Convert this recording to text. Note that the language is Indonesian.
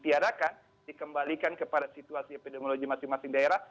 tiadakan dikembalikan kepada situasi epidemiologi masing masing daerah